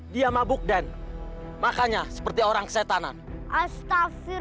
silahkan tuhan pilih saja hiburan yang tuhan sukai